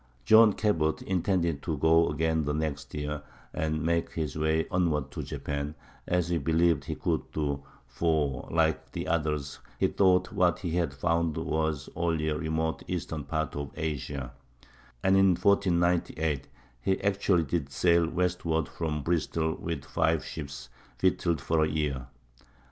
John Cabot intended to go again the next year and make his way onward to Japan, as he believed he could do, for, like the others, he thought what he had found was only a remote eastern part of Asia; and in 1498 he actually did sail westward from Bristol with five ships, victualed for a year.